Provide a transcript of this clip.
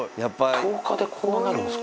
１０日でこうなるんですか。